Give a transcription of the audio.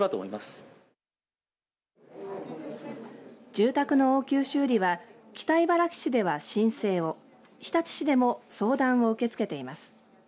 住宅の応急修理は北茨城市では申請を日立市でも相談を受け付けています。